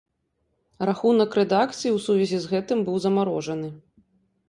Рахунак рэдакцыі ў сувязі з гэтым быў замарожаны.